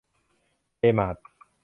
เจ มาร์ท